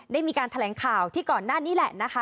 ได้มีการแถลงข่าวที่ก่อนหน้านี้แหละนะคะ